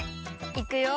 いくよ！